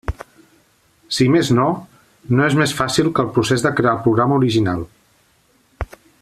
Si més no, no és més fàcil que el procés de crear el programa original.